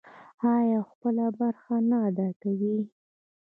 آیا او خپله برخه نه ادا کوي؟